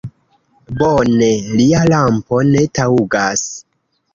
Bone, lia lampo ne taŭgas!